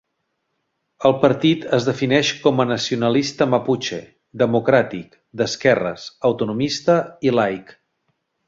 El partit es defineix com a nacionalista maputxe, democràtic, d'esquerres, autonomista i laic.